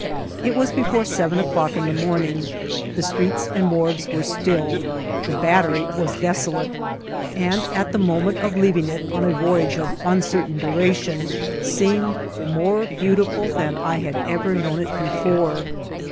It was before seven o'clock in the morning : the streets and wharves were still ; the Battery was desolate ; and, at the moment of leaving it on a voyage of uncertain du ration, seemed more beautiful than I had ever known it before.